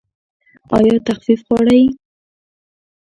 ایا تخفیف غواړئ؟